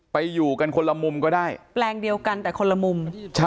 อยู่กันคนละมุมก็ได้แปลงเดียวกันแต่คนละมุม